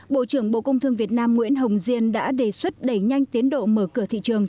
bộ trưởng bộ công thương việt nam nguyễn hồng diên đã đề xuất đẩy nhanh tiến độ mở cửa thị trường